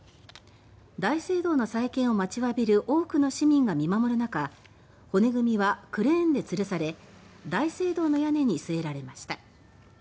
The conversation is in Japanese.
大聖堂の再建を待ちわびる多くの市民が見守る中骨組みはクレーンで吊るされ大聖堂の屋根に据えられました。